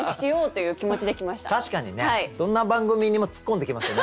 確かにねどんな番組にも突っ込んできますよね